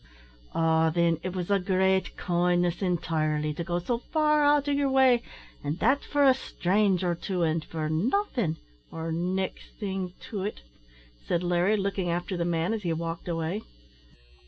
"Ah, thin, it was a great kindness, intirely, to go so far out o' yer way, an' that for a stranger, too, an' for nothin' or nixt thing to it!" said Larry, looking after the man as he walked away.